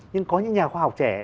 nhưng có những nhà khoa học trẻ